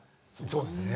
そうですね。